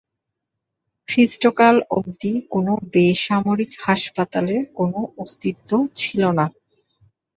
খ্রিস্ট কাল অবধি কোন বেসামরিক হাসপাতালের কোন অস্তিত্ব ছিল না।